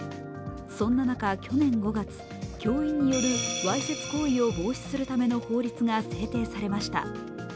そんな中、去年５月、教員によるわいせつ行為を防止するための法律が制定されました。